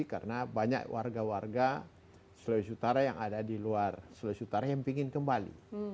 karena banyak warga warga sulawesi utara yang ada di luar sulawesi utara yang ingin kembali